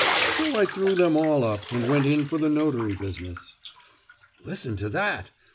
So I threw them all up, and went in for the notary business. Listen to that!